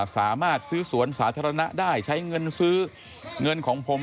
สามารถซื้อสวนสาธารณะได้ใช้เงินซื้อเงินของผม